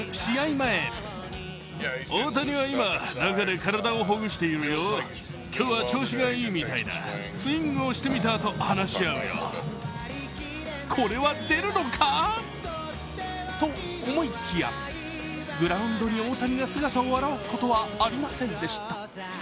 前これは出るのか？と思いきや、グラウンドに大谷が姿を現すことはありませんでした。